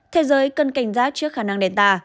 thế giới cần cảnh giác trước khả năng delta